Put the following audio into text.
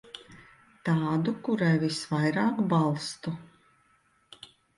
Tādu, kurai visvairāk balstu.